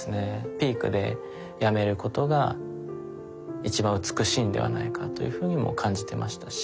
ピークでやめることが一番美しいんではないかというふうにも感じてましたし。